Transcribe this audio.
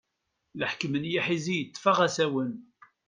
Leḥkem n yiḥizi yeṭṭef-aɣ asawen.